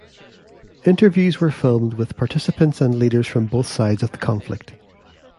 Interviews were filmed with participants and leaders from both sides of the conflict.